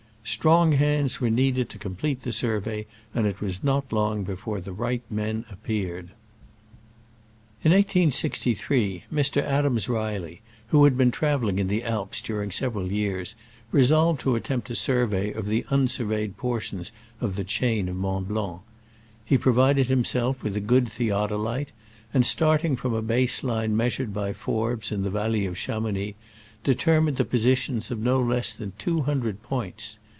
Strong hands were needed to complete the survey, and it was not long before the right men appeared. In 1863, Mr. Adams Reilly, who had been traveling in the Alps during sev eral years, resolved to attempt a survey of the unsurveyed portions of the chain of Mont Blanc. He provided himself with a good theodolite, and, starting from a base line measured by Forbes in the valley of Chamounix, determined the positions of no less than two hun dred points.